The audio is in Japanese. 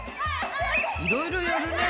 いろいろやるね。